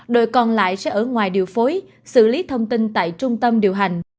đội còn lại sẽ ở ngoài điều phối xử lý thông tin tại trung tâm điều hành